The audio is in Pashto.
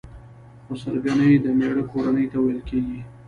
خسرګنۍ د مېړه کورنۍ ته ويل کيږي.